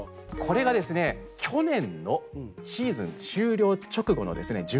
これがですね去年のシーズン終了直後のですね